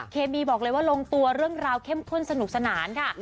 เคมีบอกเลยว่าลงตัวเรื่องราวเข้มข้นสนุกสนานค่ะ